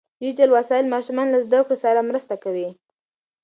ډیجیټل وسایل ماشومان له زده کړو سره مرسته کوي.